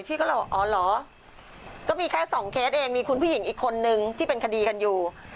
พี่ก็เลยบอกอ๋อเหรอก็มีแค่สองเคสเองมีคุณผู้หญิงอีกคนนึงที่เป็นคดีกันอยู่